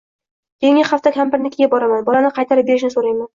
Keyingi hafta kampirnikiga boraman, bolani qaytarib berishini soʻrayman